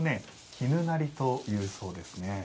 絹鳴りと言うそうですね。